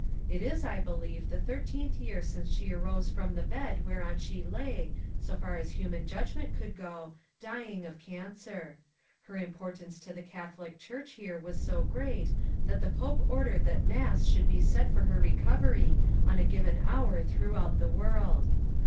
It is, I believe, the thirteenth year since she arose from the bed whereon she lay, so far as human judgment could go, dying of cancer. Her importance to the Catholic Church here was so gpreat that the Pope ordered that mass should be said for her recovery on a given hour throughout the world.